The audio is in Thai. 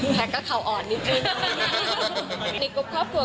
แท็กก็เขาอ่อนนิดนึง